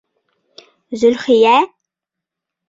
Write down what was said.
Зөлхиә!..